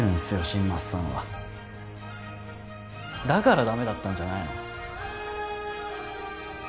新町さんはだからダメだったんじゃないの？